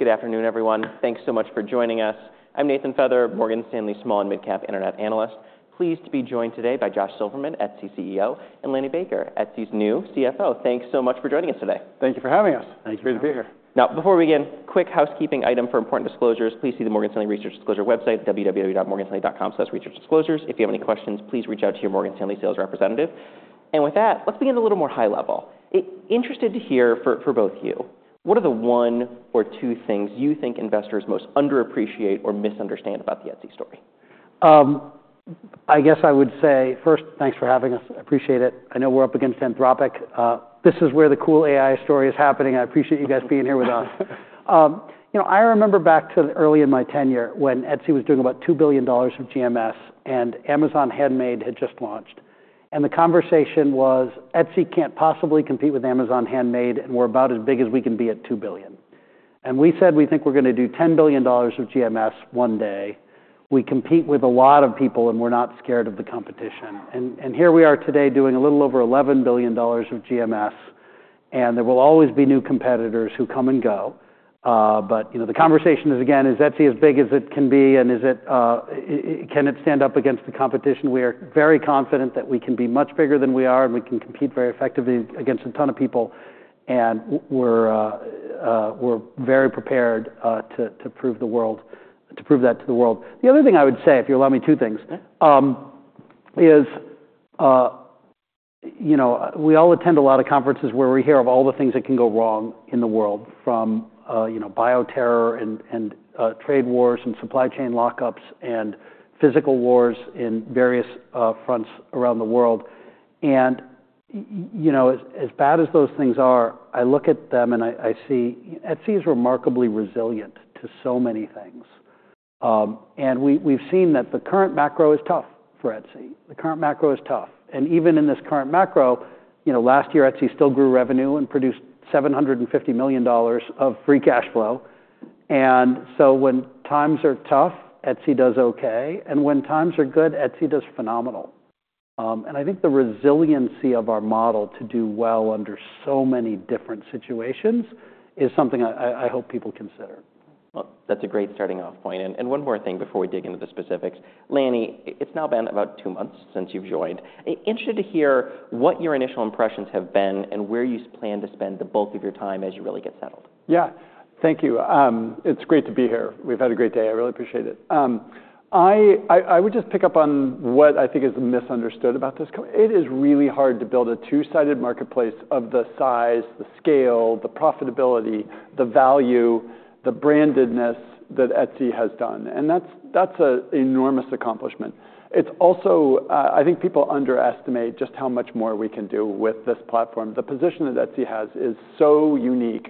Good afternoon, everyone. Thanks so much for joining us. I'm Nathan Feather, Morgan Stanley's small and mid-cap internet analyst. Pleased to be joined today by Josh Silverman, Etsy's CEO, and Lanny Baker, Etsy's new CFO. Thanks so much for joining us today. Thank you for having us. Thank you. Great to be here. Now, before we begin, quick housekeeping item for important disclosures. Please see the Morgan Stanley Research Disclosure website at www.morganstanley.com/researchdisclosures. If you have any questions, please reach out to your Morgan Stanley sales representative. And with that, let's begin at a little more high level. Interested to hear for both of you, what are the one or two things you think investors most underappreciate or misunderstand about the Etsy story? I guess I would say, first, thanks for having us. I appreciate it. I know we're up against Anthropic. This is where the cool AI story is happening. I appreciate you guys being here with us. I remember back early in my tenure when Etsy was doing about $2 billion of GMS, and Amazon Handmade had just launched. And the conversation was, Etsy can't possibly compete with Amazon Handmade, and we're about as big as we can be at $2 billion. And we said we think we're going to do $10 billion of GMS one day. We compete with a lot of people, and we're not scared of the competition. And here we are today doing a little over $11 billion of GMS. And there will always be new competitors who come and go. But the conversation is, again, Etsy as big as it can be, and can it stand up against the competition? We are very confident that we can be much bigger than we are, and we can compete very effectively against a ton of people. And we're very prepared to prove that to the world. The other thing I would say, if you allow me two things, is we all attend a lot of conferences where we hear of all the things that can go wrong in the world, from bioterror and trade wars and supply chain lockups and physical wars in various fronts around the world. And as bad as those things are, I look at them and I see Etsy is remarkably resilient to so many things. And we've seen that the current macro is tough for Etsy. The current macro is tough. And even in this current macro, last year Etsy still grew revenue and produced $750 million of free cash flow. And so when times are tough, Etsy does OK. And when times are good, Etsy does phenomenal. And I think the resiliency of our model to do well under so many different situations is something I hope people consider. That's a great starting off point, and one more thing before we dig into the specifics. Lanny, it's now been about two months since you've joined. Interested to hear what your initial impressions have been and where you plan to spend the bulk of your time as you really get settled. Yeah, thank you. It's great to be here. We've had a great day. I really appreciate it. I would just pick up on what I think is misunderstood about this. It is really hard to build a two-sided marketplace of the size, the scale, the profitability, the value, the brandedness that Etsy has done. And that's an enormous accomplishment. It's also, I think people underestimate just how much more we can do with this platform. The position that Etsy has is so unique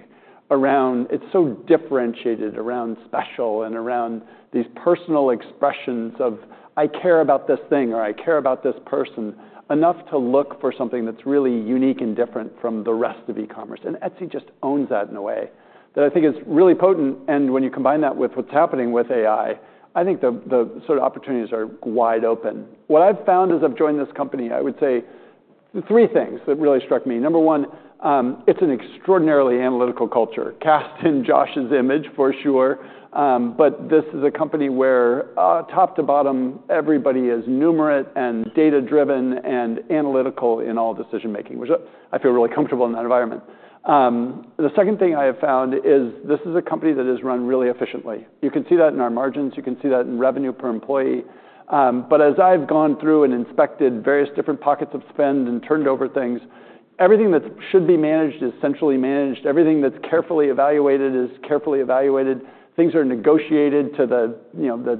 around, it's so differentiated around special and around these personal expressions of, I care about this thing or I care about this person enough to look for something that's really unique and different from the rest of e-commerce. And Etsy just owns that in a way that I think is really potent. And when you combine that with what's happening with AI, I think the sort of opportunities are wide open. What I've found as I've joined this company, I would say three things that really struck me. Number one, it's an extraordinarily analytical culture, cast in Josh's image, for sure. But this is a company where top to bottom, everybody is numerate and data-driven and analytical in all decision-making, which I feel really comfortable in that environment. The second thing I have found is this is a company that is run really efficiently. You can see that in our margins. You can see that in revenue per employee. But as I've gone through and inspected various different pockets of spend and turned over things, everything that should be managed is centrally managed. Everything that's carefully evaluated is carefully evaluated. Things are negotiated to the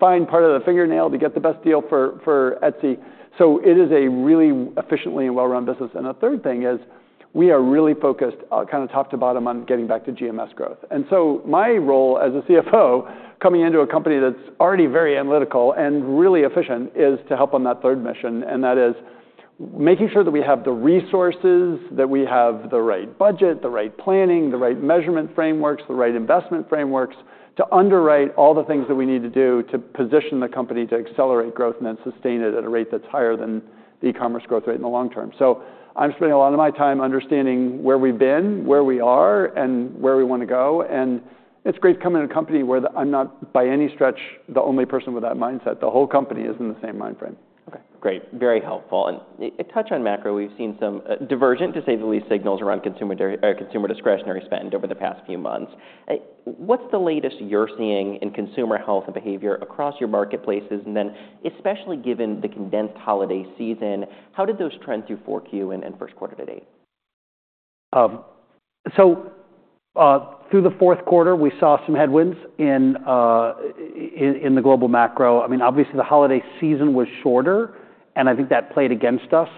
fine part of the fingernail to get the best deal for Etsy. So it is a really efficiently and well-run business. And the third thing is we are really focused kind of top to bottom on getting back to GMS growth. And so my role as a CFO coming into a company that's already very analytical and really efficient is to help on that third mission. And that is making sure that we have the resources, that we have the right budget, the right planning, the right measurement frameworks, the right investment frameworks to underwrite all the things that we need to do to position the company to accelerate growth and then sustain it at a rate that's higher than the e-commerce growth rate in the long term. So I'm spending a lot of my time understanding where we've been, where we are, and where we want to go. And it's great coming to a company where I'm not by any stretch the only person with that mindset. The whole company is in the same mind frame. OK, great. Very helpful. And a touch on macro, we've seen some divergent, to say the least, signals around consumer discretionary spend over the past few months. What's the latest you're seeing in consumer health and behavior across your marketplaces? And then especially given the condensed holiday season, how did those trends through 4Q and first quarter today? So through the fourth quarter, we saw some headwinds in the global macro. I mean, obviously, the holiday season was shorter. And I think that played against us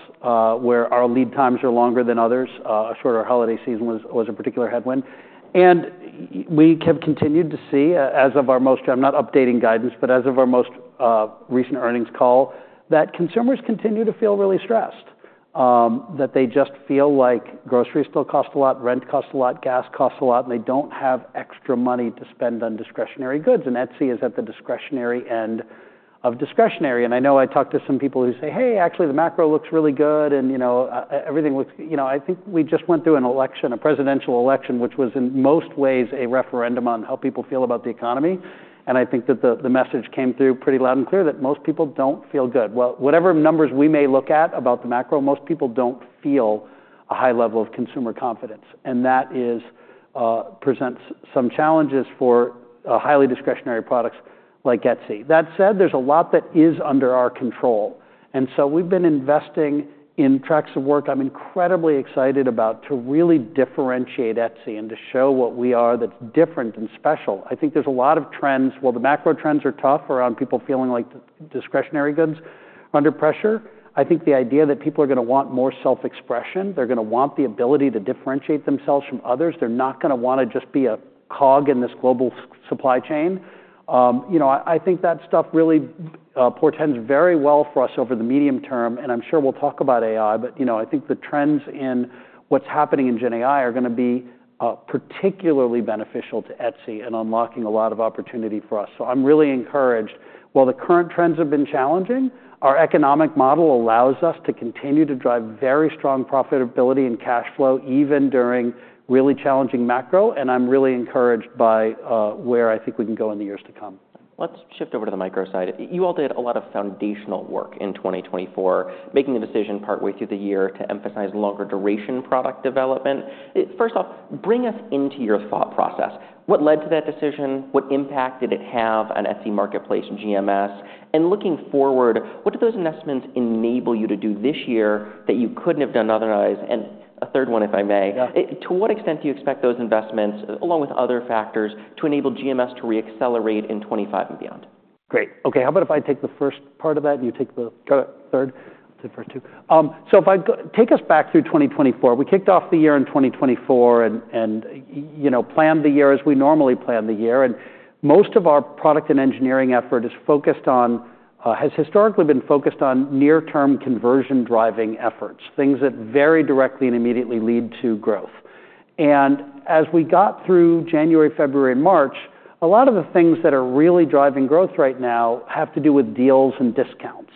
where our lead times are longer than others. A shorter holiday season was a particular headwind. And we have continued to see. I'm not updating guidance, but as of our most recent earnings call, that consumers continue to feel really stressed, that they just feel like groceries still cost a lot, rent costs a lot, gas costs a lot, and they don't have extra money to spend on discretionary goods. And Etsy is at the discretionary end of discretionary. And I know I talked to some people who say, "Hey, actually, the macro looks really good, and everything looks, you know. I think we just went through an election, a presidential election, which was in most ways a referendum on how people feel about the economy." And I think that the message came through pretty loud and clear that most people don't feel good. Well, whatever numbers we may look at about the macro, most people don't feel a high level of consumer confidence. And that presents some challenges for highly discretionary products like Etsy. That said, there's a lot that is under our control. And so we've been investing in tracks of work I'm incredibly excited about to really differentiate Etsy and to show what we are that's different and special. I think there's a lot of trends. The macro trends are tough around people feeling like discretionary goods are under pressure. I think the idea that people are going to want more self-expression, they're going to want the ability to differentiate themselves from others. They're not going to want to just be a cog in this global supply chain. I think that stuff really portends very well for us over the medium term. I'm sure we'll talk about AI. I think the trends in what's happening in GenAI are going to be particularly beneficial to Etsy and unlocking a lot of opportunity for us. I'm really encouraged. While the current trends have been challenging, our economic model allows us to continue to drive very strong profitability and cash flow even during really challenging macro. I'm really encouraged by where I think we can go in the years to come. Let's shift over to the micro side. You all did a lot of foundational work in 2024, making a decision partway through the year to emphasize longer duration product development. First off, bring us into your thought process. What led to that decision? What impact did it have on Etsy marketplace and GMS? And looking forward, what did those investments enable you to do this year that you couldn't have done otherwise? And a third one, if I may, to what extent do you expect those investments, along with other factors, to enable GMS to reaccelerate in 2025 and beyond? Great. OK, how about if I take the first part of that and you take the third? So if I take us back through 2024, we kicked off the year in 2024 and planned the year as we normally plan the year. And most of our product and engineering effort has historically been focused on near-term conversion-driving efforts, things that very directly and immediately lead to growth. And as we got through January, February, and March, a lot of the things that are really driving growth right now have to do with deals and discounts.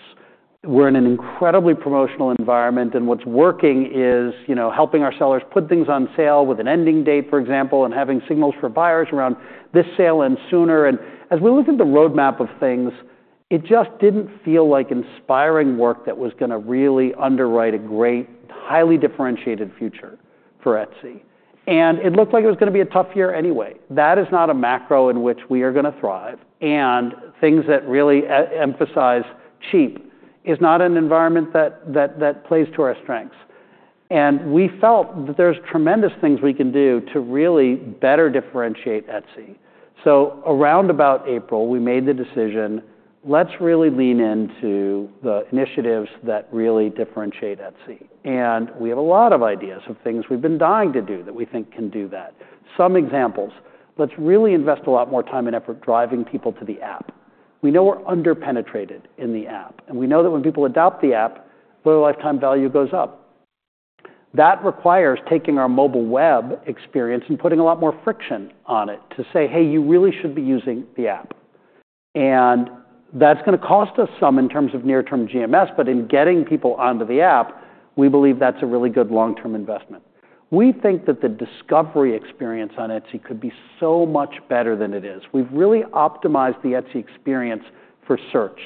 We're in an incredibly promotional environment. And what's working is helping our sellers put things on sale with an ending date, for example, and having signals for buyers around this sale ends sooner. And as we look at the roadmap of things, it just didn't feel like inspiring work that was going to really underwrite a great, highly differentiated future for Etsy. And it looked like it was going to be a tough year anyway. That is not a macro in which we are going to thrive. And things that really emphasize cheap is not an environment that plays to our strengths. And we felt that there's tremendous things we can do to really better differentiate Etsy. So around about April, we made the decision, let's really lean into the initiatives that really differentiate Etsy. And we have a lot of ideas of things we've been dying to do that we think can do that. Some examples, let's really invest a lot more time and effort driving people to the app. We know we're underpenetrated in the app. And we know that when people adopt the app, their lifetime value goes up. That requires taking our mobile web experience and putting a lot more friction on it to say, hey, you really should be using the app. And that's going to cost us some in terms of near-term GMS. But in getting people onto the app, we believe that's a really good long-term investment. We think that the discovery experience on Etsy could be so much better than it is. We've really optimized the Etsy experience for search.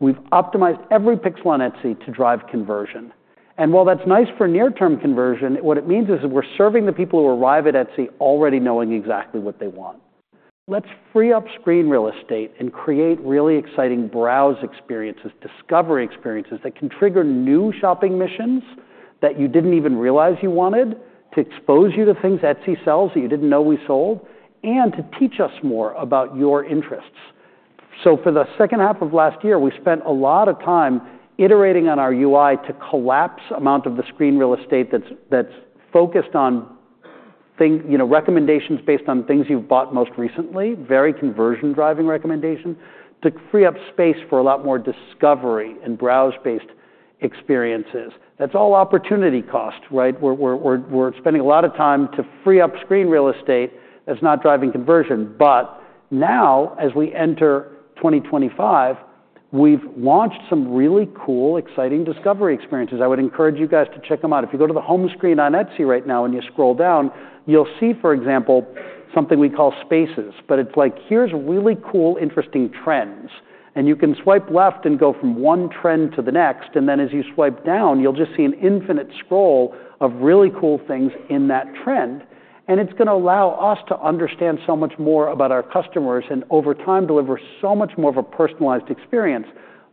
We've optimized every pixel on Etsy to drive conversion. And while that's nice for near-term conversion, what it means is we're serving the people who arrive at Etsy already knowing exactly what they want. Let's free up screen real estate and create really exciting browse experiences, discovery experiences that can trigger new shopping missions that you didn't even realize you wanted, to expose you to things Etsy sells that you didn't know we sold, and to teach us more about your interests. So for the second half of last year, we spent a lot of time iterating on our UI to collapse the amount of the screen real estate that's focused on recommendations based on things you've bought most recently, very conversion-driving recommendation, to free up space for a lot more discovery and browse-based experiences. That's all opportunity cost, right? We're spending a lot of time to free up screen real estate that's not driving conversion. But now, as we enter 2025, we've launched some really cool, exciting discovery experiences. I would encourage you guys to check them out. If you go to the home screen on Etsy right now and you scroll down, you'll see, for example, something we call Spaces. But it's like, here's really cool, interesting trends. And you can swipe left and go from one trend to the next. And then as you swipe down, you'll just see an infinite scroll of really cool things in that trend. And it's going to allow us to understand so much more about our customers and over time deliver so much more of a personalized experience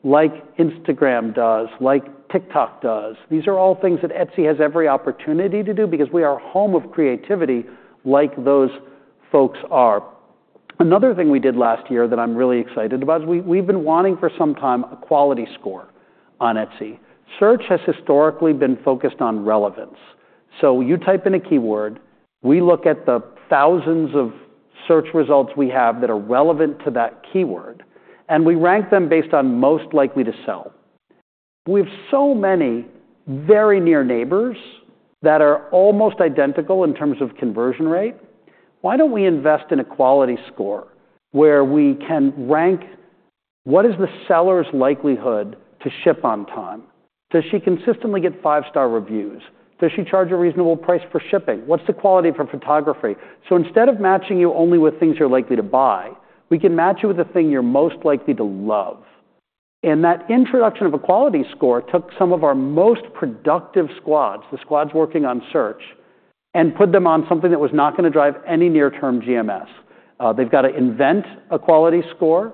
like Instagram does, like TikTok does. These are all things that Etsy has every opportunity to do because we are home of creativity like those folks are. Another thing we did last year that I'm really excited about is we've been wanting for some time a quality score on Etsy. Search has historically been focused on relevance. You type in a keyword. We look at the thousands of search results we have that are relevant to that keyword. We rank them based on most likely to sell. We have so many very near neighbors that are almost identical in terms of conversion rate. Why don't we invest in a quality score where we can rank what is the seller's likelihood to ship on time? Does she consistently get five-star reviews? Does she charge a reasonable price for shipping? What's the quality for photography? Instead of matching you only with things you're likely to buy, we can match you with the thing you're most likely to love. That introduction of a quality score took some of our most productive squads, the squads working on search, and put them on something that was not going to drive any near-term GMS. They've got to invent a quality score.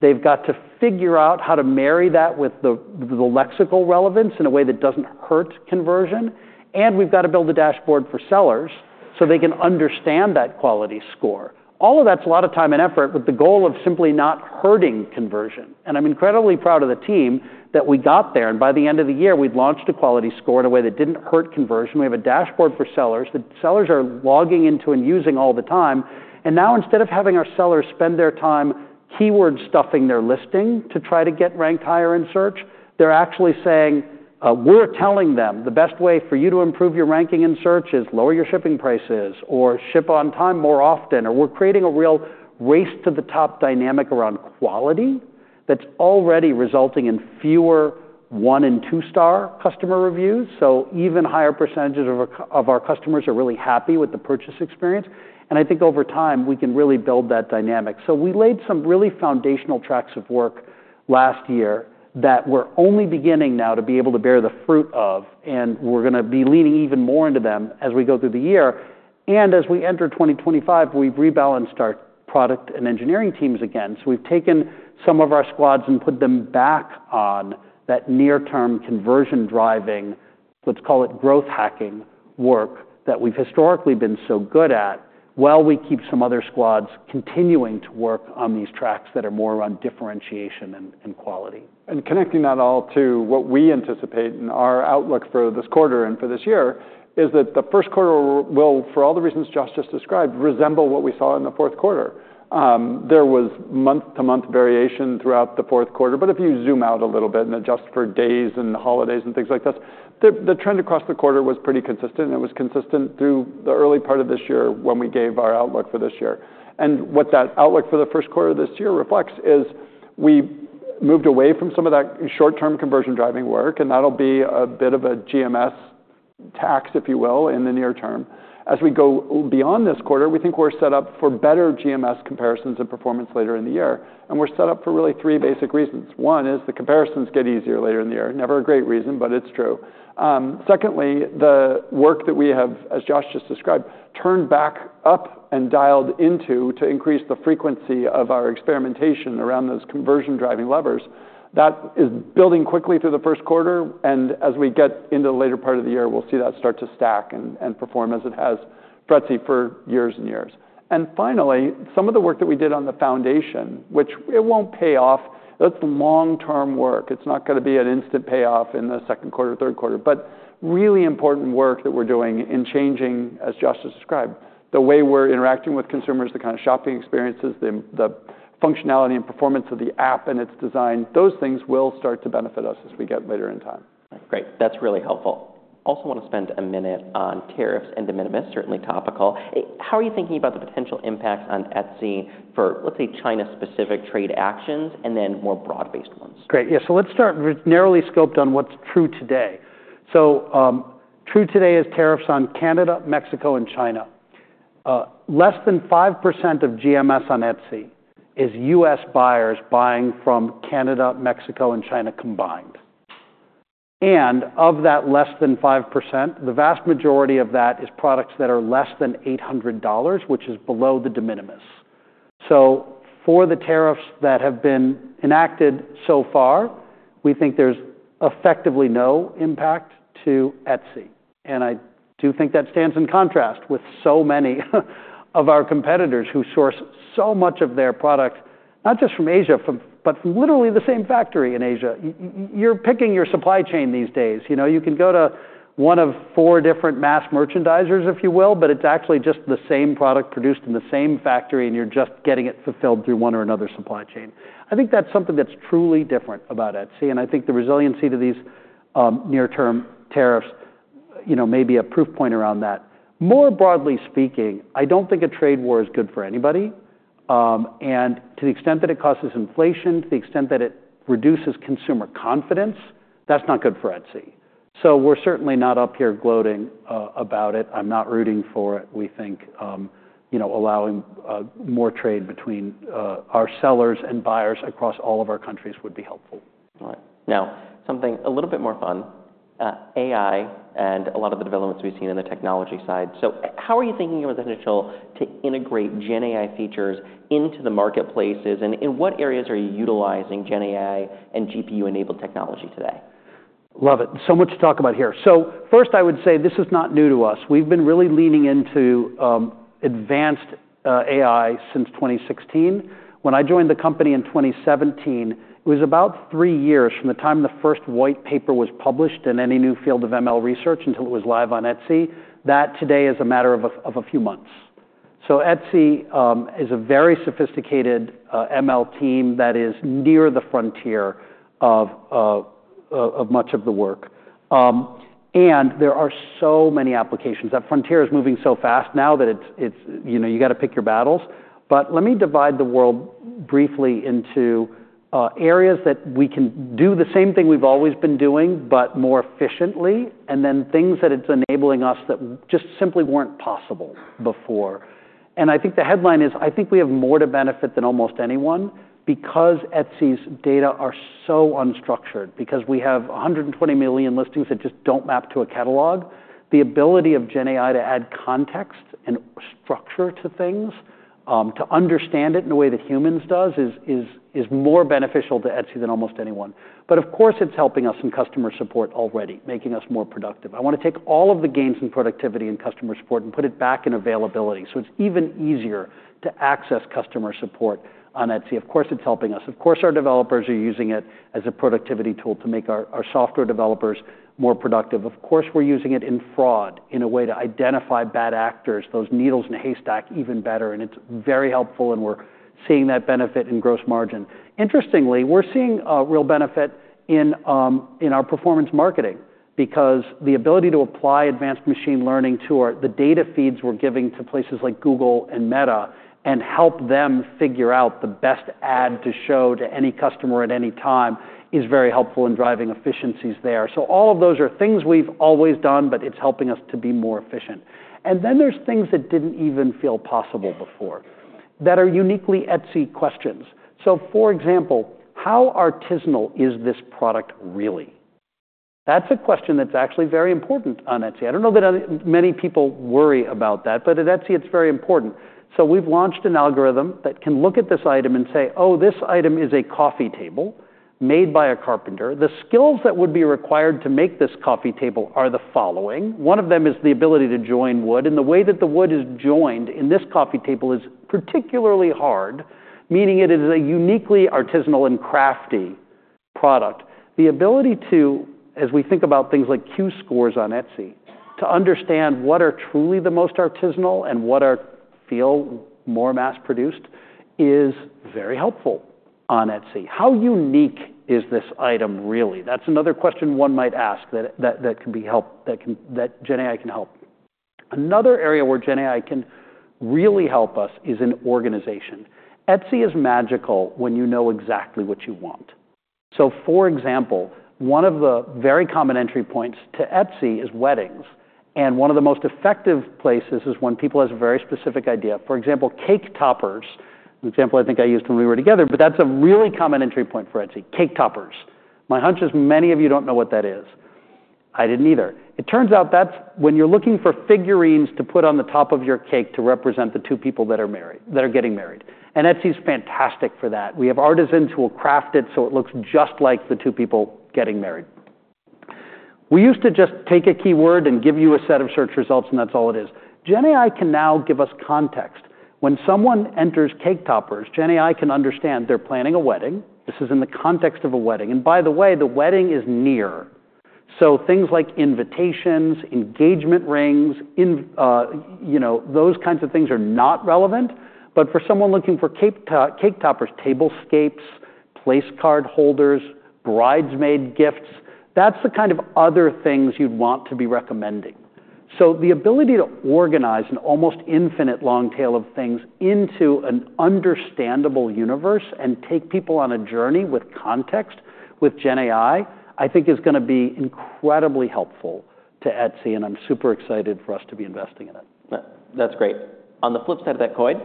They've got to figure out how to marry that with the lexical relevance in a way that doesn't hurt conversion. And we've got to build a dashboard for sellers so they can understand that quality score. All of that's a lot of time and effort with the goal of simply not hurting conversion. And I'm incredibly proud of the team that we got there. And by the end of the year, we'd launched a quality score in a way that didn't hurt conversion. We have a dashboard for sellers that sellers are logging into and using all the time. And now, instead of having our sellers spend their time keyword stuffing their listing to try to get ranked higher in search, they're actually saying, "We're telling them the best way for you to improve your ranking in search is lower your shipping prices or ship on time more often." Or we're creating a real race-to-the-top dynamic around quality that's already resulting in fewer one and two-star customer reviews. So even higher percentages of our customers are really happy with the purchase experience. And I think over time, we can really build that dynamic. So we laid some really foundational tracks of work last year that we're only beginning now to be able to bear the fruit of. And we're going to be leaning even more into them as we go through the year. And as we enter 2025, we've rebalanced our product and engineering teams again. So we've taken some of our squads and put them back on that near-term conversion-driving, let's call it growth hacking work that we've historically been so good at while we keep some other squads continuing to work on these tracks that are more around differentiation and quality. Connecting that all to what we anticipate in our outlook for this quarter and for this year is that the first quarter will, for all the reasons Josh just described, resemble what we saw in the fourth quarter. There was month-to-month variation throughout the fourth quarter. But if you zoom out a little bit and adjust for days and holidays and things like this, the trend across the quarter was pretty consistent. It was consistent through the early part of this year when we gave our outlook for this year. What that outlook for the first quarter of this year reflects is we moved away from some of that short-term conversion-driving work. That'll be a bit of a GMS tax, if you will, in the near term. As we go beyond this quarter, we think we're set up for better GMS comparisons and performance later in the year, and we're set up for really three basic reasons. One is the comparisons get easier later in the year. Never a great reason, but it's true. Secondly, the work that we have, as Josh just described, turned back up and dialed into to increase the frequency of our experimentation around those conversion-driving levers. That is building quickly through the first quarter, and as we get into the later part of the year, we'll see that start to stack and perform as it has for Etsy for years and years, and finally, some of the work that we did on the foundation, which it won't pay off. That's long-term work. It's not going to be an instant payoff in the second quarter or third quarter. But really important work that we're doing in changing, as Josh just described, the way we're interacting with consumers, the kind of shopping experiences, the functionality and performance of the app and its design. Those things will start to benefit us as we get later in time. Great. That's really helpful. Also want to spend a minute on tariffs and de minimis, certainly topical. How are you thinking about the potential impacts on Etsy for, let's say, China-specific trade actions and then more broad-based ones? Great. Yeah. So let's start narrowly scoped on what's true today. So true today is tariffs on Canada, Mexico, and China. Less than 5% of GMS on Etsy is U.S. buyers buying from Canada, Mexico, and China combined. And of that less than 5%, the vast majority of that is products that are less than $800, which is below the de minimis. So for the tariffs that have been enacted so far, we think there's effectively no impact to Etsy. And I do think that stands in contrast with so many of our competitors who source so much of their product, not just from Asia, but from literally the same factory in Asia. You're picking your supply chain these days. You can go to one of four different mass merchandisers, if you will, but it's actually just the same product produced in the same factory. And you're just getting it fulfilled through one or another supply chain. I think that's something that's truly different about Etsy. And I think the resiliency to these near-term tariffs may be a proof point around that. More broadly speaking, I don't think a trade war is good for anybody. And to the extent that it causes inflation, to the extent that it reduces consumer confidence, that's not good for Etsy. So we're certainly not up here gloating about it. I'm not rooting for it. We think allowing more trade between our sellers and buyers across all of our countries would be helpful. All right. Now, something a little bit more fun. AI and a lot of the developments we've seen on the technology side. So how are you thinking of the potential to integrate GenAI features into the marketplaces? And in what areas are you utilizing GenAI and GPU-enabled technology today? Love it. So much to talk about here. So first, I would say this is not new to us. We've been really leaning into advanced AI since 2016. When I joined the company in 2017, it was about three years from the time the first white paper was published in any new field of ML research until it was live on Etsy. That today is a matter of a few months. So Etsy is a very sophisticated ML team that is near the frontier of much of the work. And there are so many applications. That frontier is moving so fast now that you've got to pick your battles. But let me divide the world briefly into areas that we can do the same thing we've always been doing, but more efficiently, and then things that it's enabling us that just simply weren't possible before. I think the headline is, I think we have more to benefit than almost anyone because Etsy's data are so unstructured, because we have 120 million listings that just don't map to a catalog. The ability of GenAI to add context and structure to things, to understand it in a way that humans do, is more beneficial to Etsy than almost anyone. But of course, it's helping us in customer support already, making us more productive. I want to take all of the gains in productivity and customer support and put it back in availability so it's even easier to access customer support on Etsy. Of course, it's helping us. Of course, our developers are using it as a productivity tool to make our software developers more productive. Of course, we're using it in fraud in a way to identify bad actors, those needles in a haystack, even better. It's very helpful. We're seeing that benefit in gross margin. Interestingly, we're seeing a real benefit in our performance marketing because the ability to apply advanced machine learning to the data feeds we're giving to places like Google and Meta and help them figure out the best ad to show to any customer at any time is very helpful in driving efficiencies there. All of those are things we've always done, but it's helping us to be more efficient. Then there's things that didn't even feel possible before that are uniquely Etsy questions. For example, how artisanal is this product really? That's a question that's actually very important on Etsy. I don't know that many people worry about that. But at Etsy, it's very important. So we've launched an algorithm that can look at this item and say, oh, this item is a coffee table made by a carpenter. The skills that would be required to make this coffee table are the following. One of them is the ability to join wood. And the way that the wood is joined in this coffee table is particularly hard, meaning it is a uniquely artisanal and crafty product. The ability to, as we think about things like Q-scores on Etsy, to understand what are truly the most artisanal and what feel more mass-produced is very helpful on Etsy. How unique is this item really? That's another question one might ask that GenAI can help. Another area where GenAI can really help us is in organization. Etsy is magical when you know exactly what you want. For example, one of the very common entry points to Etsy is weddings. One of the most effective places is when people have a very specific idea. For example, cake toppers, an example I think I used when we were together. But that's a really common entry point for Etsy, cake toppers. My hunch is many of you don't know what that is. I didn't either. It turns out that's when you're looking for figurines to put on the top of your cake to represent the two people that are getting married. And Etsy is fantastic for that. We have artisans who will craft it so it looks just like the two people getting married. We used to just take a keyword and give you a set of search results. And that's all it is. GenAI can now give us context. When someone enters cake toppers, GenAI can understand they're planning a wedding. This is in the context of a wedding, and by the way, the wedding is near, so things like invitations, engagement rings, those kinds of things are not relevant, but for someone looking for cake toppers, tablescapes, place card holders, bridesmaid gifts, that's the kind of other things you'd want to be recommending, so the ability to organize an almost infinite long tail of things into an understandable universe and take people on a journey with context with GenAI, I think is going to be incredibly helpful to Etsy, and I'm super excited for us to be investing in it. That's great. On the flip side of that coin,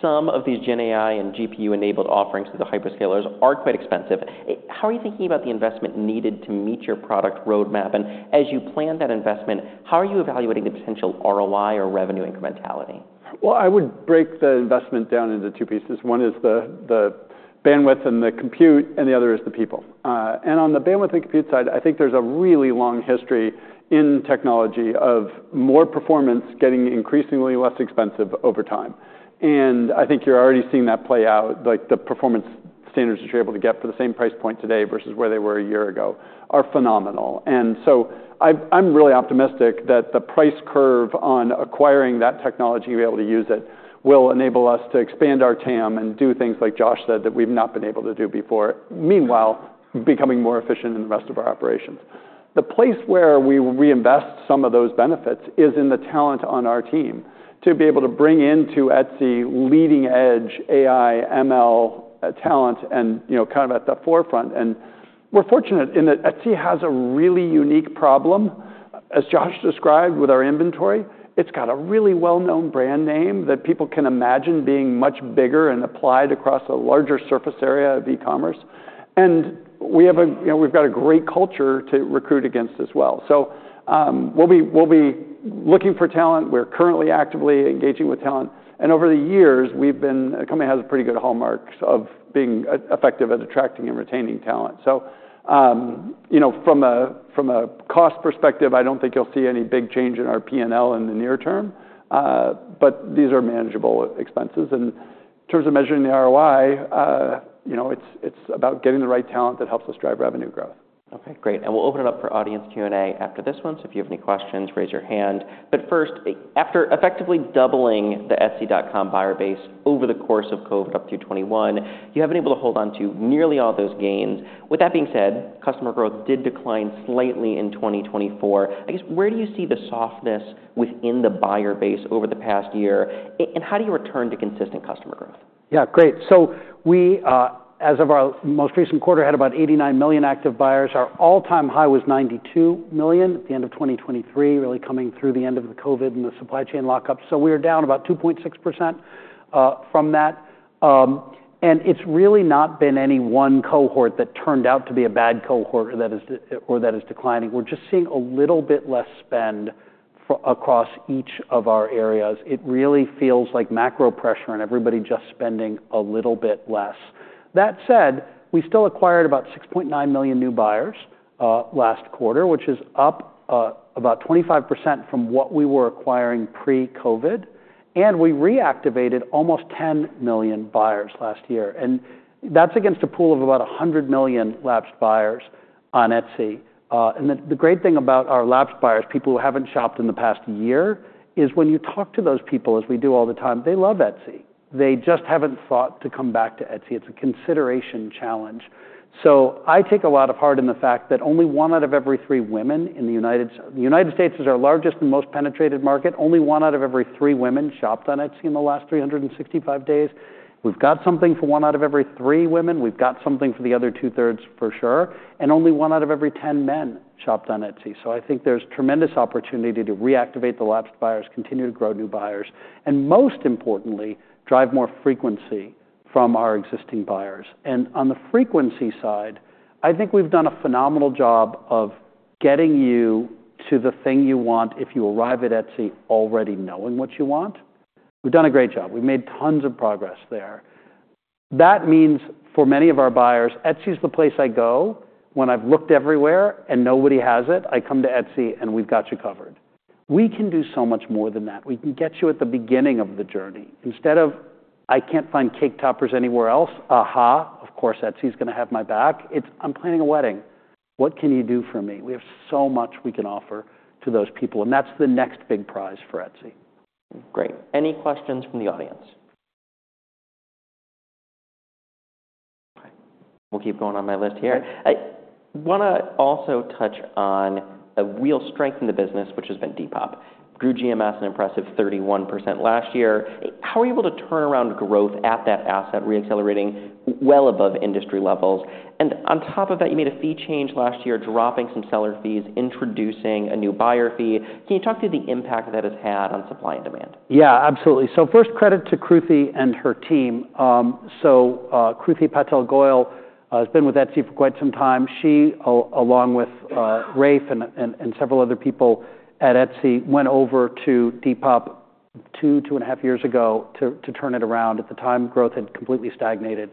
some of these GenAI and GPU-enabled offerings through the hyperscalers are quite expensive. How are you thinking about the investment needed to meet your product roadmap? And as you plan that investment, how are you evaluating the potential ROI or revenue incrementality? I would break the investment down into two pieces. One is the bandwidth and the compute. And the other is the people. And on the bandwidth and compute side, I think there's a really long history in technology of more performance getting increasingly less expensive over time. And I think you're already seeing that play out. The performance standards that you're able to get for the same price point today versus where they were a year ago are phenomenal. And so I'm really optimistic that the price curve on acquiring that technology and being able to use it will enable us to expand our TAM and do things like Josh said that we've not been able to do before, meanwhile becoming more efficient in the rest of our operations. The place where we reinvest some of those benefits is in the talent on our team to be able to bring into Etsy leading-edge AI, ML talent and kind of at the forefront. We're fortunate in that Etsy has a really unique problem, as Josh described, with our inventory. It's got a really well-known brand name that people can imagine being much bigger and applied across a larger surface area of e-commerce. We've got a great culture to recruit against as well. We'll be looking for talent. We're currently actively engaging with talent. Over the years, we've been a company that has a pretty good hallmark of being effective at attracting and retaining talent. From a cost perspective, I don't think you'll see any big change in our P&L in the near term. These are manageable expenses. In terms of measuring the ROI, it's about getting the right talent that helps us drive revenue growth. OK, great. And we'll open it up for audience Q&A after this one. So if you have any questions, raise your hand. But first, after effectively doubling the Etsy.com buyer base over the course of COVID up through 2021, you haven't been able to hold on to nearly all those gains. With that being said, customer growth did decline slightly in 2024. I guess, where do you see the softness within the buyer base over the past year? And how do you return to consistent customer growth? Yeah, great. So we, as of our most recent quarter, had about 89 million active buyers. Our all-time high was 92 million at the end of 2023, really coming through the end of the COVID and the supply chain lockup, so we were down about 2.6% from that, and it's really not been any one cohort that turned out to be a bad cohort or that is declining. We're just seeing a little bit less spend across each of our areas. It really feels like macro pressure and everybody just spending a little bit less. That said, we still acquired about 6.9 million new buyers last quarter, which is up about 25% from what we were acquiring pre-COVID, and we reactivated almost 10 million buyers last year, and that's against a pool of about 100 million lapsed buyers on Etsy. The great thing about our lapsed buyers, people who haven't shopped in the past year, is when you talk to those people, as we do all the time, they love Etsy. They just haven't thought to come back to Etsy. It's a consideration challenge. I take a lot of heart in the fact that only one out of every three women in the United States is our largest and most penetrated market. Only one out of every three women shopped on Etsy in the last 365 days. We've got something for one out of every three women. We've got something for the other two-thirds for sure. Only one out of every 10 men shopped on Etsy. I think there's tremendous opportunity to reactivate the lapsed buyers, continue to grow new buyers, and most importantly, drive more frequency from our existing buyers. On the frequency side, I think we've done a phenomenal job of getting you to the thing you want if you arrive at Etsy already knowing what you want. We've done a great job. We've made tons of progress there. That means for many of our buyers, Etsy is the place I go. When I've looked everywhere and nobody has it, I come to Etsy and we've got you covered. We can do so much more than that. We can get you at the beginning of the journey. Instead of, I can't find cake toppers anywhere else, aha, of course, Etsy is going to have my back. It's, I'm planning a wedding. What can you do for me? We have so much we can offer to those people. That's the next big prize for Etsy. Great. Any questions from the audience? We'll keep going on my list here. I want to also touch on a real strength in the business, which has been Depop. Grew GMS an impressive 31% last year. How are you able to turn around growth at that asset, reaccelerating well above industry levels? And on top of that, you made a fee change last year, dropping some seller fees, introducing a new buyer fee. Can you talk through the impact that has had on supply and demand? Yeah, absolutely. So first, credit to Kruti and her team. So Kruti Patel Goyal has been with Etsy for quite some time. She, along with Rafe and several other people at Etsy, went over to Depop two, two and a half years ago to turn it around. At the time, growth had completely stagnated.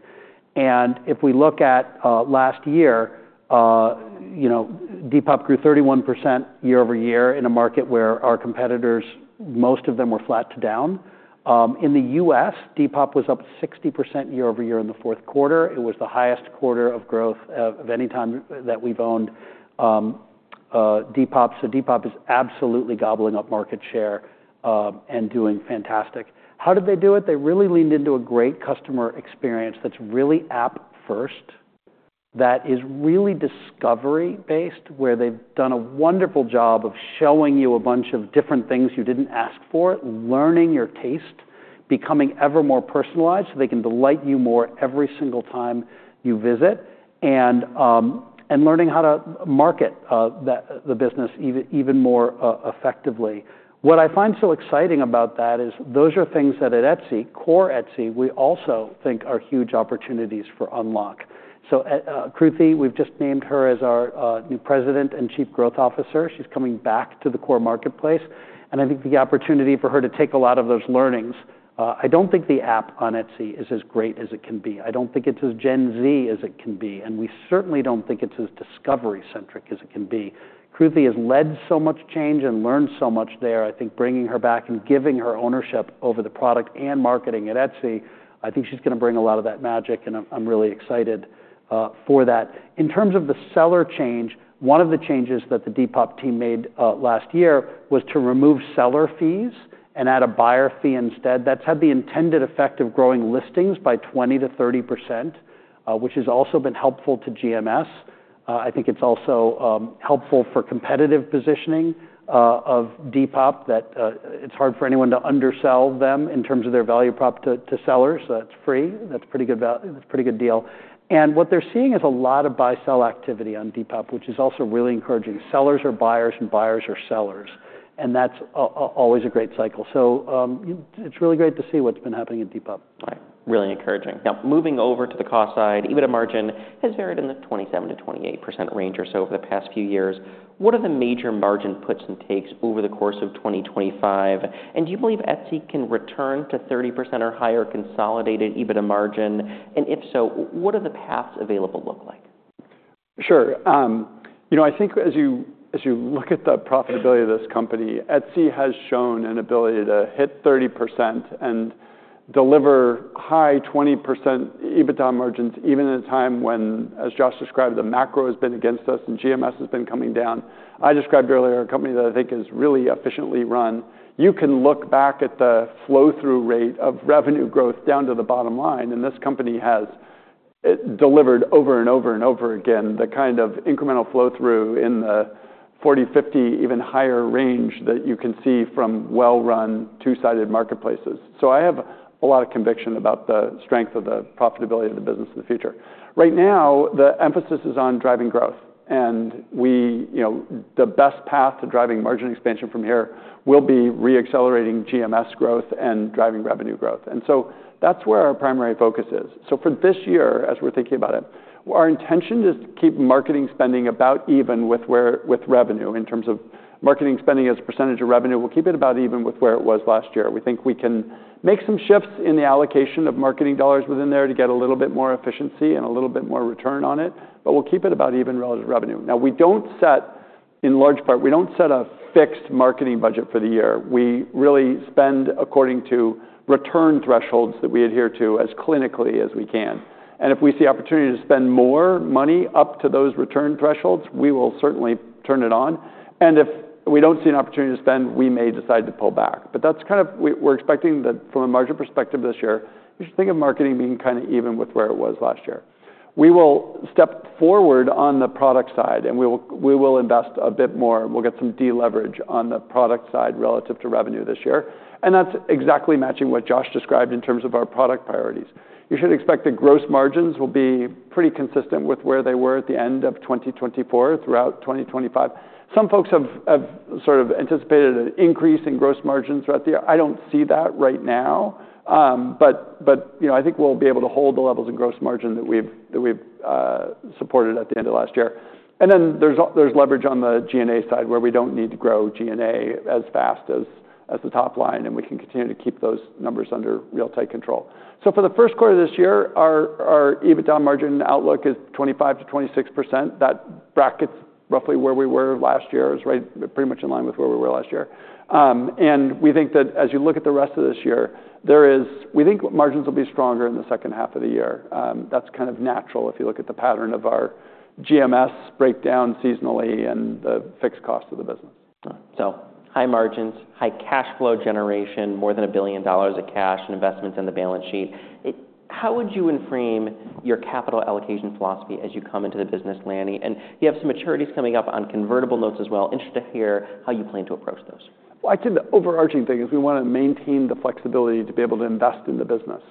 And if we look at last year, Depop grew 31% year-over-year in a market where our competitors, most of them, were flat to down. In the U.S., Depop was up 60% year-over-year in the fourth quarter. It was the highest quarter of growth of any time that we've owned Depop. So Depop is absolutely gobbling up market share and doing fantastic. How did they do it? They really leaned into a great customer experience that's really app-first, that is really discovery-based, where they've done a wonderful job of showing you a bunch of different things you didn't ask for, learning your taste, becoming ever more personalized so they can delight you more every single time you visit, and learning how to market the business even more effectively. What I find so exciting about that is those are things that at Etsy, core Etsy, we also think are huge opportunities for unlock. So Kruti, we've just named her as our new President and Chief Growth Officer. She's coming back to the core marketplace. And I think the opportunity for her to take a lot of those learnings. I don't think the app on Etsy is as great as it can be. I don't think it's as Gen Z as it can be. And we certainly don't think it's as discovery-centric as it can be. Kruti has led so much change and learned so much there. I think bringing her back and giving her ownership over the product and marketing at Etsy, I think she's going to bring a lot of that magic. And I'm really excited for that. In terms of the seller change, one of the changes that the Depop team made last year was to remove seller fees and add a buyer fee instead. That's had the intended effect of growing listings by 20%-30%, which has also been helpful to GMS. I think it's also helpful for competitive positioning of Depop that it's hard for anyone to undersell them in terms of their value prop to sellers. So that's free. That's a pretty good deal. What they're seeing is a lot of buy-sell activity on Depop, which is also really encouraging. Sellers are buyers and buyers are sellers. That's always a great cycle. It's really great to see what's been happening at Depop. Right. Really encouraging. Now, moving over to the cost side, EBITDA margin has varied in the 27%-28% range or so over the past few years. What are the major margin puts and takes over the course of 2025? And do you believe Etsy can return to 30% or higher consolidated EBITDA margin? And if so, what do the paths available look like? Sure. You know, I think as you look at the profitability of this company, Etsy has shown an ability to hit 30% and deliver high 20% EBITDA margins even at a time when, as Josh described, the macro has been against us and GMS has been coming down. I described earlier a company that I think is really efficiently run. You can look back at the flow-through rate of revenue growth down to the bottom line, and this company has delivered over and over and over again the kind of incremental flow-through in the 40%, 50%, even higher range that you can see from well-run two-sided marketplaces, so I have a lot of conviction about the strength of the profitability of the business in the future. Right now, the emphasis is on driving growth. The best path to driving margin expansion from here will be reaccelerating GMS growth and driving revenue growth. And so that's where our primary focus is. So for this year, as we're thinking about it, our intention is to keep marketing spending about even with revenue in terms of marketing spending as a percentage of revenue. We'll keep it about even with where it was last year. We think we can make some shifts in the allocation of marketing dollars within there to get a little bit more efficiency and a little bit more return on it. But we'll keep it about even relative to revenue. Now, in large part, we don't set a fixed marketing budget for the year. We really spend according to return thresholds that we adhere to as clinically as we can. And if we see opportunity to spend more money up to those return thresholds, we will certainly turn it on. And if we don't see an opportunity to spend, we may decide to pull back. But that's kind of what we're expecting from a margin perspective this year. You should think of marketing being kind of even with where it was last year. We will step forward on the product side. And we will invest a bit more. We'll get some deleverage on the product side relative to revenue this year. And that's exactly matching what Josh described in terms of our product priorities. You should expect that gross margins will be pretty consistent with where they were at the end of 2024 throughout 2025. Some folks have sort of anticipated an increase in gross margins throughout the year. I don't see that right now. I think we'll be able to hold the levels of gross margin that we've supported at the end of last year. Then there's leverage on the G&A side where we don't need to grow G&A as fast as the top line. We can continue to keep those numbers under real tight control. For the first quarter of this year, our EBITDA margin outlook is 25%-26%. That brackets roughly where we were last year. It's pretty much in line with where we were last year. We think that as you look at the rest of this year, we think margins will be stronger in the second half of the year. That's kind of natural if you look at the pattern of our GMS breakdown seasonally and the fixed cost of the business. So high margins, high cash flow generation, more than $1 billion of cash and investments in the balance sheet. How would you frame your capital allocation philosophy as you come into the business, Lanny? And you have some maturities coming up on convertible notes as well. Interested to hear how you plan to approach those. I'd say the overarching thing is we want to maintain the flexibility to be able to invest in the business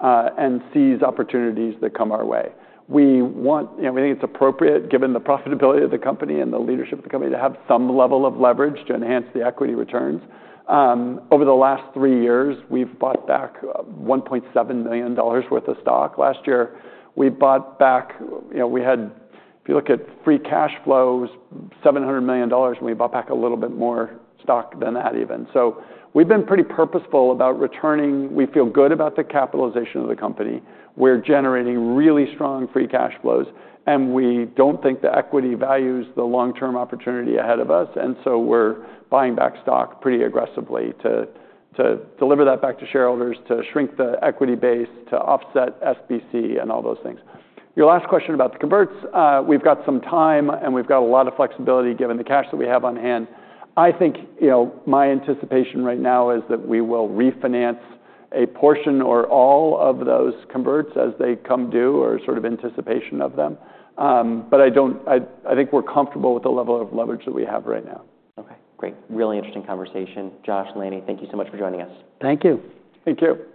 and seize opportunities that come our way. We think it's appropriate, given the profitability of the company and the leadership of the company, to have some level of leverage to enhance the equity returns. Over the last three years, we've bought back $1.7 million worth of stock. Last year, we bought back, we had, if you look at free cash flows, $700 million. And we bought back a little bit more stock than that even. So we've been pretty purposeful about returning. We feel good about the capitalization of the company. We're generating really strong free cash flows. And we don't think the equity values the long-term opportunity ahead of us. And so we're buying back stock pretty aggressively to deliver that back to shareholders, to shrink the equity base, to offset SBC, and all those things. Your last question about the converts. We've got some time. And we've got a lot of flexibility given the cash that we have on hand. I think my anticipation right now is that we will refinance a portion or all of those converts as they come due or sort of anticipation of them. But I think we're comfortable with the level of leverage that we have right now. OK, great. Really interesting conversation. Josh, Lanny, thank you so much for joining us. Thank you. Thank you.